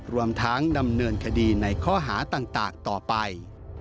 รวมทั้งดำเนินคดีในข้อหาต่างต่อไป